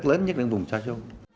trong sạch vững mạnh